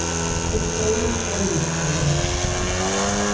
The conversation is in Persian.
اسم او خیلی فرار است.